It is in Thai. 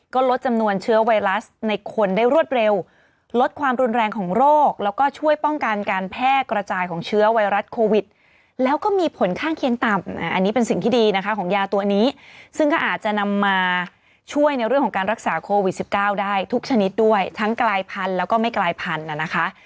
ก็ลดจำนวนเชื้อไวรัสในคนได้รวดเร็วลดความรุนแรงของโรคแล้วก็ช่วยป้องกันการแพร่กระจายของเชื้อไวรัสโควิดแล้วก็มีผลข้างเคียงต่ำอันนี้เป็นสิ่งที่ดีนะคะของยาตัวนี้ซึ่งก็อาจจะนำมาช่วยในเรื่องของการรักษาโควิด๑๙ได้ทุกชนิดด้วยทั้งกลายพันธุ์แล้วก็ไม่กลายพันธุ์นะคะ